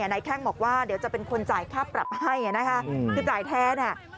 นายแค่งบอกว่าเดี๋ยวจะเป็นคนจ่ายค่าปรับให้คือจ่ายแท้